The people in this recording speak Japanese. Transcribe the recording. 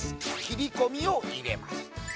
切り込みを入れます。